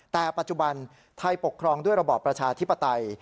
แต่ปัจจุบันไทยปกครองด้วยระบอบประชาธิปไตย